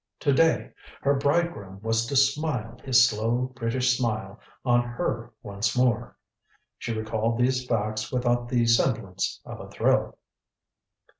To day her bridegroom was to smile his slow British smile on her once more! She recalled these facts without the semblance of a thrill.